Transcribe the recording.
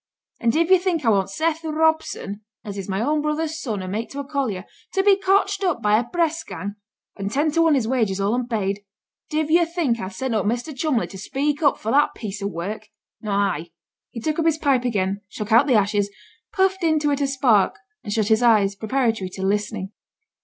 And div yo' think I want Seth Robson ( as is my own brother's son, and mate to a collier) to be cotched up by a press gang, and ten to one his wages all unpaid? Div yo' think I'd send up Measter Cholmley to speak up for that piece o' work? Not I.' He took up his pipe again, shook out the ashes, puffed it into a spark, and shut his eyes, preparatory to listening.